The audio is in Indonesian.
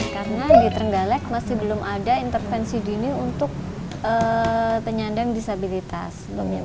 karena di trenggalek masih belum ada intervensi dini untuk penyandang disabilitas